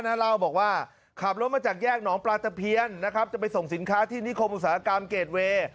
เจ้าเล่าบอกว่าขับรถมาจากแยกหนองปลาเผี้ยนนะครับจะไปส่งสินค้าที่นิโกรภุษากรรมเกจเวย์